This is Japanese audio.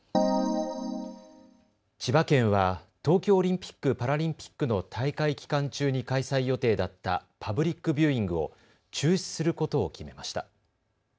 千葉県は東京オリンピック・パラリンピックの大会期間中に開催予定だったパブリックビューイングを中止することを決めました。